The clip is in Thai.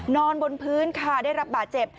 นอนบนพื้นค่ะได้รับบาดเจ็บ